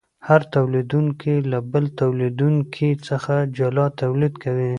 هر تولیدونکی له بل تولیدونکي څخه جلا تولید کوي